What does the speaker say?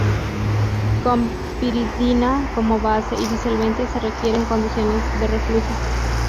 Con piridina como base y disolvente, se requieren condiciones de reflujo.